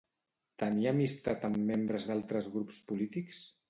Tenia amistat amb membres d'altres grups polítics?